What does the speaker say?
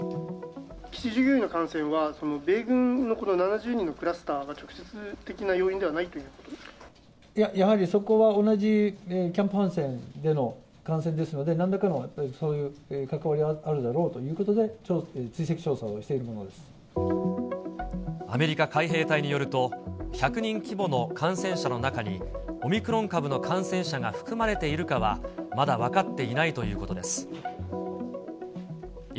基地従業員の感染は、米軍の７０人のクラスターが直接的な要因ではないということですいや、やはりそこは同じキャンプ・ハンセンでの感染ですので、なんらかのそういう関わりはあるだろうということで、追跡調査をしているアメリカ海兵隊によると、１００人規模の感染者の中に、オミクロン株の感染者が含まれているかは、まだ分かっていないということです。